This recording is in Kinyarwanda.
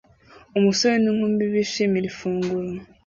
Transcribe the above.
Umusore n'inkumi bishimira ifunguro